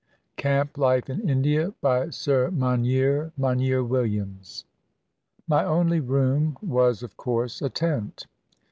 CAMP LIFE IN INDIA BY SIR MONIER MONIER WILLIAMS My only room was, of course, a tent.